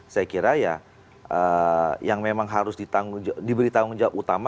saya kira ya yang memang harus diberi tanggung jawab utama